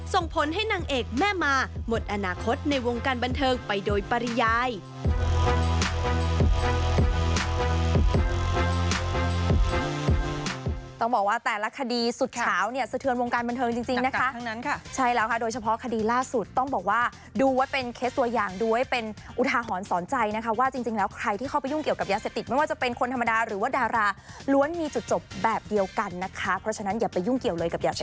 ส่งผลให้นางเอกแม่มาหมดอนาคตในวงการบันเทิงไปโดยปริยาย